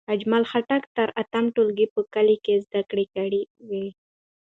اجمل خټک تر اتم ټولګی په کلي کې زدکړې وکړې.